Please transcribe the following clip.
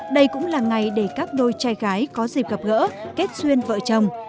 đây cũng là ngày để các đôi trai gái có dịp gặp gỡ kết xuyên vợ chồng